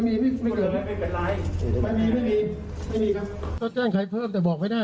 ไม่มีไม่มีไม่มีครับก็แจ้งใครเพิ่มแต่บอกไม่ได้